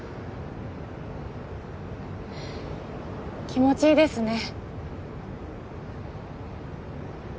気持ちいいですね